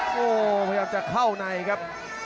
โอ้โหพยายามจะเข้าในครับ